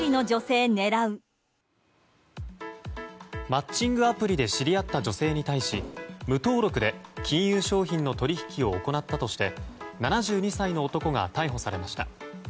マッチングアプリで知り合った女性に対し無登録で金融商品の取引を行ったとして７２歳の男が逮捕されました。